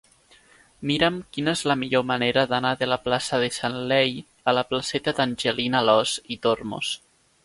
Mira'm quina és la millor manera d'anar de la plaça de Sanllehy a la placeta d'Angelina Alòs i Tormos.